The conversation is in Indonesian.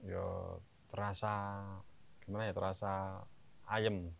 ya terasa gimana ya terasa ayem